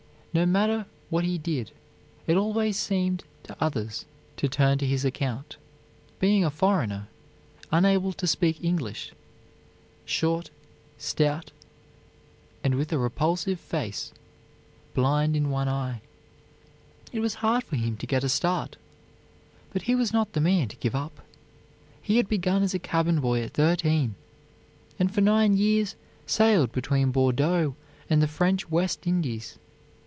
No matter what he did, it always seemed to others to turn to his account. Being a foreigner, unable to speak English, short, stout, and with a repulsive face, blind in one eye, it was hard for him to get a start. But he was not the man to give up. He had begun as a cabin boy at thirteen, and for nine years sailed between Bordeaux and the French West Indies.